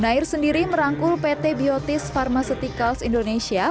nair sendiri merangkul pt biotis pharmaceuticals indonesia